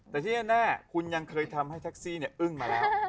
แต่ที่แน่คุณยังเคยทำให้แท็กซี่อึ้งมาแล้ว